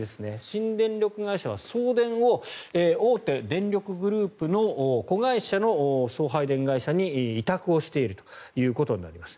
新電力会社は送電を大手電力グループの子会社の送配電会社に委託をしているということになります。